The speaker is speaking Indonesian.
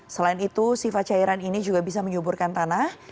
selain itu sifat cairan ini juga bisa menyuburkan tanah